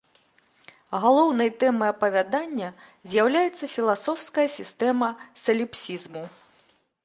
Галоўнай тэмай апавядання з'яўляецца філасофская сістэма саліпсізму.